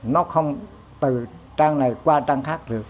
nó không từ trang này qua trang khác được